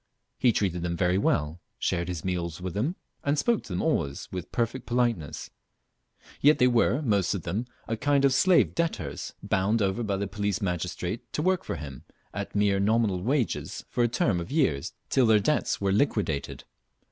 He treated them very well, shared his meals with them, and spoke to them always with perfect politeness; yet they were most of them a kind of slave debtors, bound over by the police magistrate to work for him at mere nominal wages for a term of years till their debts were liquidated.